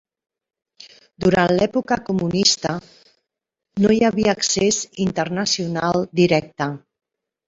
Durant l'època comunista, no hi havia accés internacional directe.